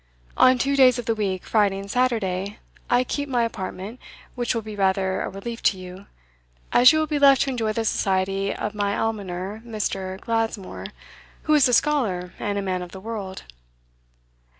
On two days of the week, Friday and Saturday, I keep my apartment, which will be rather a relief to you, as you will be left to enjoy the society of my almoner, Mr. Gladsmoor, who is a scholar and a man of the world."